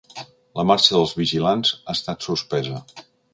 La Marxa dels Vigatans ha estat suspesa